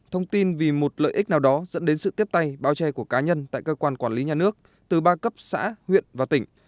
thông tin vì một lợi ích nào đó dẫn đến sự tiếp tay bao che của cá nhân tại cơ quan quản lý nhà nước từ ba cấp xã huyện và tỉnh